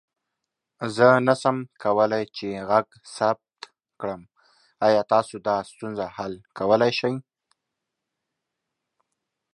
زه نسم کولى چې غږ ثبت کړم، آيا تاسو دا ستونزه حل کولى سې؟